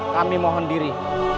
kami mohon diri